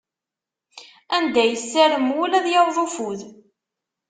Anda yessarem wul, ad yaweḍ ufud.